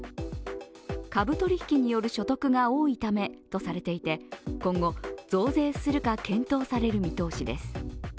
株取り引きによる所得が多いためとされていて、今後、増税するか検討される見通しです。